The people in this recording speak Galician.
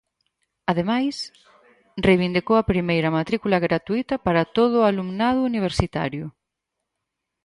Ademais, reivindicou a primeira matrícula gratuíta para todo o alumnado universitario.